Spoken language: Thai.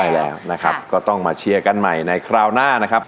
ใช่แล้วนะครับก็ต้องมาเชียร์กันใหม่ในคราวหน้านะครับ